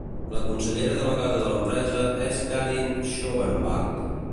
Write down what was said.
La consellera delegada de l'empresa és Karyn Schoenbart.